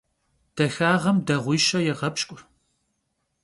Daxağem dağuişe yêğepşk'u.